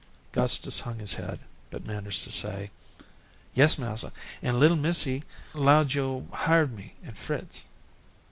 Gustus hung his head, but managed to say: "Yes, massa, an' little missy 'lowed yo'd hire me and Fritz."